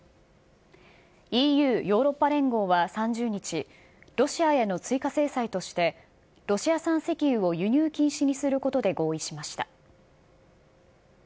ＥＵ・ヨーロッパ連合は３０日、ロシアへの追加制裁として、ロシア産石油を輸入禁止にすることで合意しました。